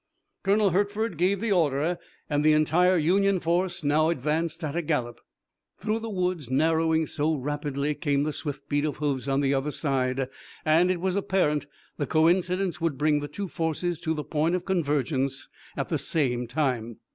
Colonel Hertford gave the order and the entire Union force now advanced at a gallop. Through the woods, narrowing so rapidly, came the swift beat of hoofs on the other side, and it was apparent that coincidence would bring the two forces to the point of convergence at the same time.